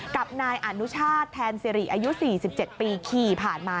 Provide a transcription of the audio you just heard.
กับนายอนุชาติแทนสิริอายุ๔๗ปีขี่ผ่านมา